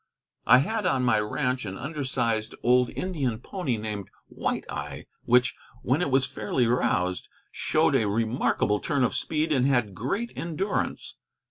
I had on my ranch an under sized old Indian pony named White Eye, which, when it was fairly roused, showed a remarkable turn of speed, and had great endurance.